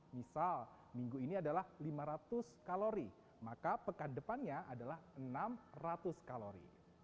misal minggu ini adalah lima ratus kalori maka pekan depannya adalah enam ratus kalori